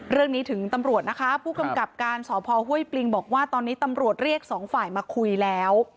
เรื่องนี้ถึงตำรวจนะคะผู้กำกับการสพห้วยปริงบอกว่าตอนนี้ตำรวจเรียกสองฝ่ายมาคุยแล้ว